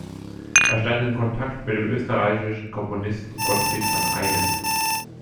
Er stand im Kontakt mit dem österreichischen Komponisten Gottfried von Einem.